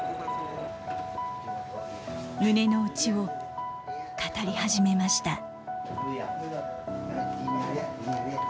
胸の内を語り始めました。